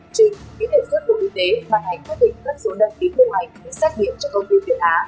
trịnh kỹ thuật sức của y tế bàn hành phát định các số đăng ký hướng hành để xét nghiệm cho công ty việt á